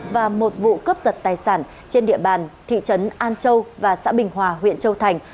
và một vụ cướp giật tài sản trên địa bàn thị trấn an châu và xã bình hòa huyện châu thành